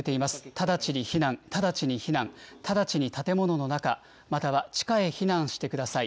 直ちに避難、直ちに避難、直ちに建物の中、または地下へ避難してください。